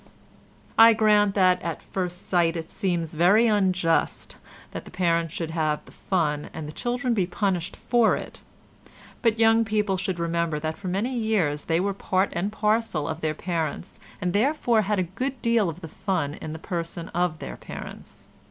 I grant that at first sight it seems very unjust, that the parents should have the fun and the children be punished for it, but young people should remember that for many years they were part and parcel of their parents and therefore had a good deal of the fun in the person of their parents.